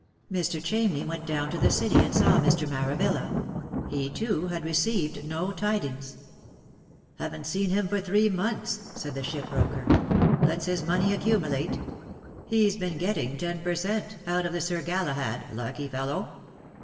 Mr. Chamney went down to the City, and saw Mr. Maravilla. He too had received no tidings. "Haven't seen him for three months," said the shipbroker; " !ets his money accumulate. He's been getting ten per cent, out of the Sir Galahad — lucky fellow.